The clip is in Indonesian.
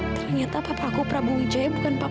ternyata papa aku prabowo hijaya bukan papa aku